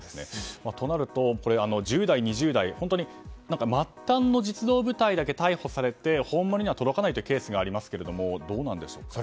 １０代２０代末端の実動部隊だけ逮捕されて、本丸には届かないケースがありますがそれはどうなんでしょうか。